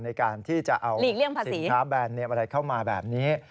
ในการที่จะเอาสินค้าแบนอะไรเข้ามาแบบนี้